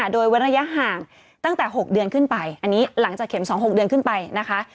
โดยเว้นระยะห่างตั้งแต่๖เดือนขึ้นไปอันนี้หลังจากเข็ม๒๖เดือนขึ้นไปนะคะ